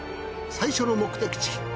最初の目的地